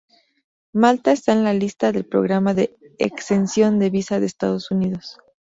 Malta está en la lista del Programa de exención de visa de Estados Unidos.